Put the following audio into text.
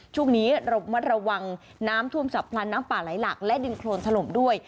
ช่วงนี้ระมัดระวังน้ำท่วมฉับพลันน้ำป่าไหลหลักและดินโครนถล่มด้วย